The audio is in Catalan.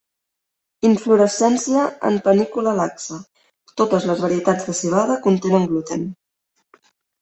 Inflorescència en panícula laxa. Totes les varietats de civada contenen gluten.